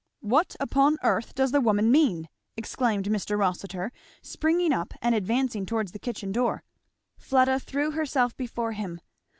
"What upon earth does the woman mean?" exclaimed Mr. Rossitur, springing up and advancing towards the kitchen door. Fleda threw herself before him.